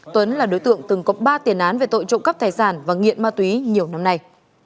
tuấn là đối tượng từng có ba tiền án về tội trộm cắp tài sản và nghiện ma túy nhiều năm nay